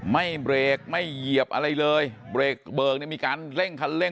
ไม่เบรกไม่เหยียบอะไรเลยเบรกเบิกเนี่ยมีการเร่งคันเร่ง